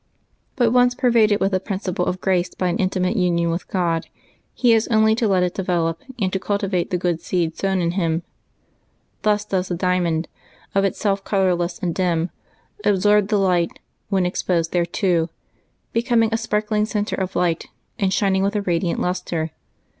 But once pervaded with the principle of grace by an intimate union with God, he has only to let it develop 12 LIVES OF THE SAINTS and to cultivate the good seed sown in him. Thus does the diamond, of itself colorless and dim, absorb the light when exposed thereto, becoming a sparkling centre of light and shining with a radiant lustre.